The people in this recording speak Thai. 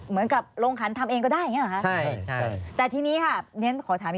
เหมือนกับโรงขันทำเองก็ได้อย่างนี้หรอคะ